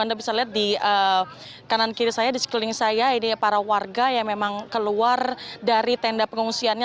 anda bisa lihat di kanan kiri saya di sekeliling saya ini para warga yang memang keluar dari tenda pengungsiannya